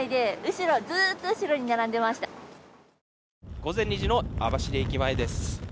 午前２時前の網走駅前です。